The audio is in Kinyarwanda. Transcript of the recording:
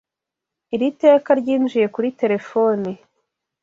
Iri teka ryinjiye kuri terefone.